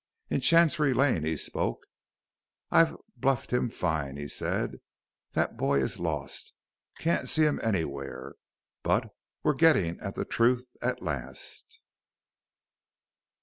In Chancery Lane he spoke. "I've bluffed him fine," he said, "that boy is lost. Can't see him anywhere. But we're getting at the truth at last."